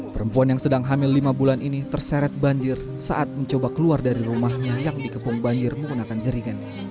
perempuan yang sedang hamil lima bulan ini terseret banjir saat mencoba keluar dari rumahnya yang dikepung banjir menggunakan jeringan